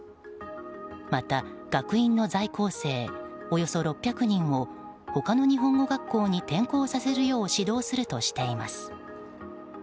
また、学院の在校生およそ６００人を他に日本語学校に転校させるよう指導するとしています。